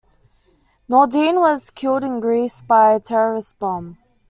Nordeen was killed in Greece by a terrorist's bomb.